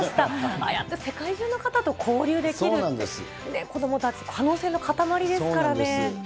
ああやって世界中の方と交流できるって、子どもたち、そうなんです。